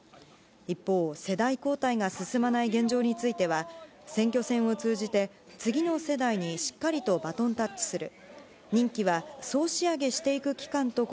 一方、世代交代が進まない現状については、選挙戦を通じて、次の世代にしっかりとバトンタッチする。